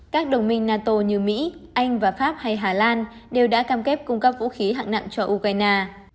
các đồng minh nato như mỹ anh và pháp hay hà lan đều đã cam kết cung cấp vũ khí hạng nặng cho ukraine